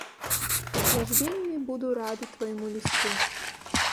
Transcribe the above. Я ж вельмі буду рады твайму лісту.